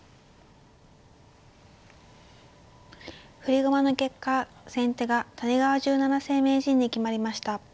振り駒の結果先手が谷川十七世名人に決まりました。